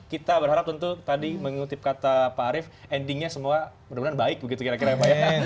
kita berharap untuk tadi mengutip kata pak arief endingnya semua benar benar baik begitu kira kira ya pak ya